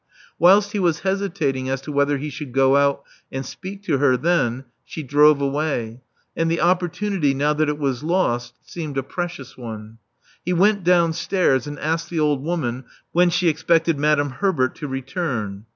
Whilst he was hesitating as to whether he should go out and speak to her then, she drove away; and the opportunity, now that it was lost, seemed a precious one. He went downstairs, and asked the old woman when she expected Madame Herbert to return.